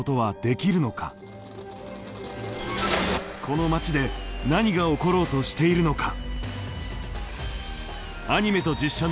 この町で何が起ころうとしているのか。